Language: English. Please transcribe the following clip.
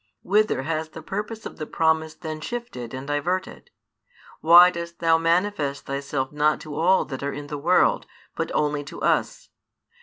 Whither has the purpose of the promise then shifted and diverted? Why dost Thou manifest Thyself not to all that are in the world but only to us?